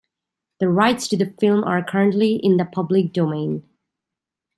The rights to the film are currently in the public domain.